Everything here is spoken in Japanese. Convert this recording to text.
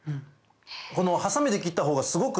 このハサミで切った方がすごく。